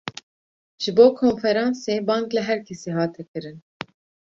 Ji bo konferansê, bang li herkesî hate kirin